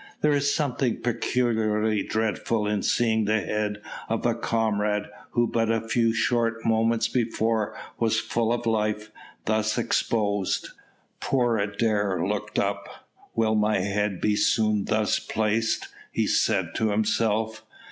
There is something particularly dreadful in seeing the head of a comrade, who but a few short moments before was full of life, thus exposed. Poor Adair looked up. "Will my head be soon thus placed?" he said to himself.